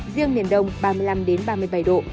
riêng miền đông ba mươi năm ba mươi bảy độ